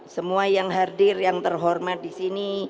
semua yang hadir yang terhormat disini